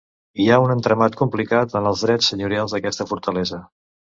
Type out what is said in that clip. Hi ha un entramat complicat en els drets senyorials d'aquesta fortalesa.